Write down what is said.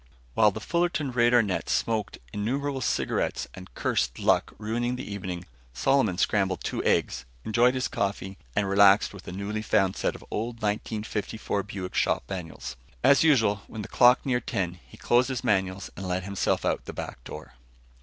While the Fullerton radar net smoked innumerable cigarettes and cursed luck ruining the evening, Solomon scrambled two eggs, enjoyed his coffee and relaxed with a newly found set of old 1954 Buick shop manuals. As usual, when the clock neared ten, he closed his manuals and let himself out the back door.